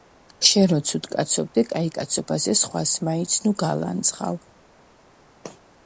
„შენ რომ ცუდკაცობდე, კაიკაცობაზედ სხვას მაინც ნუ გალანძღავ.“